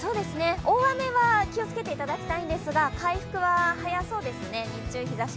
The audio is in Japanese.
大雨は気をつけていただきたいんですが、回復は早そうですね。